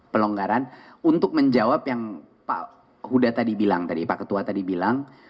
pelonggaran untuk menjawab yang pak huda tadi bilang tadi pak ketua tadi bilang